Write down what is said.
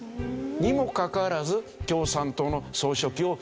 にもかかわらず共産党の総書記を辞めなかった。